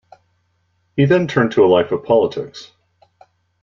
He then turned to a life of politics.